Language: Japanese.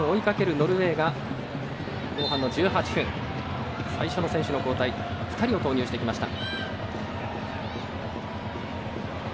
ノルウェーが後半の１８分、最初の選手交代２人を投入してきました。